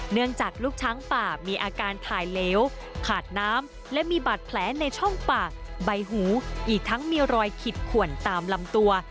เนื่องจากลูกช้างป่ามีอาการถ่ายเหลวขาดน้ำและมีบาดแผลในช่องปากใบหูอีกทั้งมีรอยขิดขวนตามลำตัว